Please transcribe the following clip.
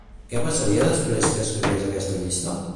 Què passaria després que es creés aquesta llista?